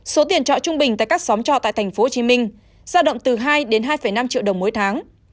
số tiền trọ trung bình tại các xóm trọ tại tp hcm giao động từ hai đến hai năm triệu đồng mỗi tháng